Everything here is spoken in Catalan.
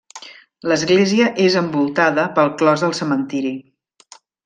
L'església és envoltada pel clos del cementiri.